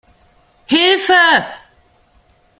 Hilfe!